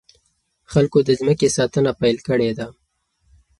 خلکو د ځمکې ساتنه پيل کړې ده.